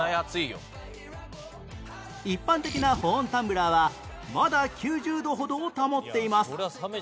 一般的な保温タンブラーはまだ９０度ほどを保っています